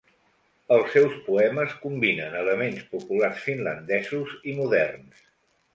Els seus poemes combinen elements populars finlandesos i moderns.